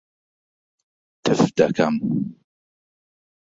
تف دەکەم.